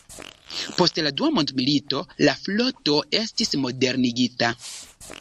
Post la Dua mondmilito, la floto estis modernigita.